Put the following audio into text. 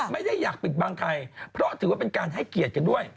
ไม่ได้อยากปิดบังใครเพราะถือว่าเป็นการให้เกียรติกันด้วย